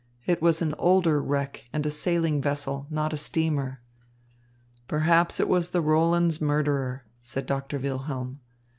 It was an older wreck and a sailing vessel, not a steamer." "Perhaps it was the Roland's murderer," said Doctor Wilhelm.